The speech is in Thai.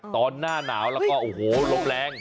หน้าหนาวแล้วก็โอ้โหลมแรง